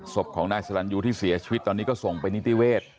ศพของนายสลันยูที่เสียชีวิตตอนนี้ก็ส่งไปนิติเวศ